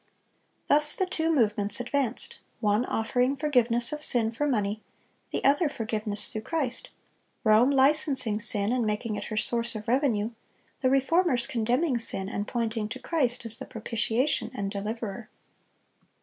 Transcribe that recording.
Thus the two movements advanced,—one offering forgiveness of sin for money, the other forgiveness through Christ,—Rome licensing sin, and making it her source of revenue; the Reformers condemning sin, and pointing to Christ as the propitiation and deliverer.